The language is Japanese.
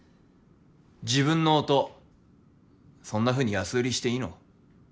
自分の音そんなふうに安売りしていいの？